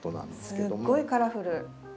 すごいカラフル！